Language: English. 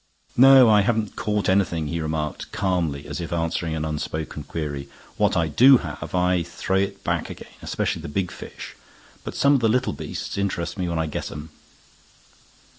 "No, I haven't caught anything," he remarked, calmly, as if answering an unspoken query. "When I do I have to throw it back again; especially the big fish. But some of the little beasts interest me when I get 'em."